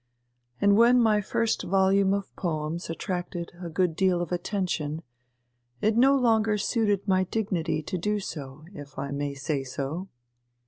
And when my first volume of poems attracted a good deal of attention, it no longer suited my dignity to do so, if I may say so."